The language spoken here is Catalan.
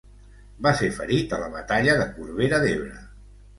Va ser ferit a la batalla de Corbera d'Ebre.